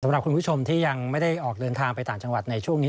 สำหรับคุณผู้ชมที่ยังไม่ได้ออกเดินทางไปต่างจังหวัดในช่วงนี้